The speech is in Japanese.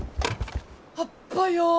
あっぱよー。